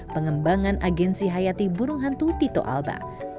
pengembangan agensi hayati burung hantu tito alba